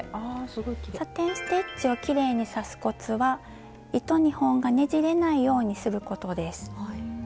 サテン・ステッチをきれいに刺すコツは糸２本がねじれないようにすることです。